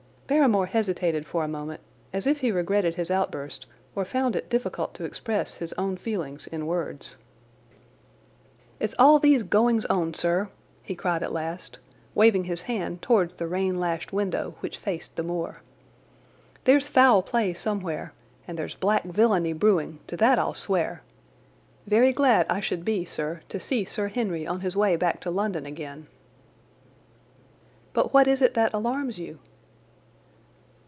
Barrymore hesitated for a moment, as if he regretted his outburst or found it difficult to express his own feelings in words. "It's all these goings on, sir," he cried at last, waving his hand towards the rain lashed window which faced the moor. "There's foul play somewhere, and there's black villainy brewing, to that I'll swear! Very glad I should be, sir, to see Sir Henry on his way back to London again!" "But what is it that alarms you?"